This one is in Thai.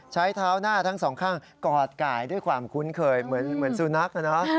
ใช้เท้าหน้าทั้งสองข้างกอดกายด้วยความคุ้นเคยเหมือนสุนัขนะ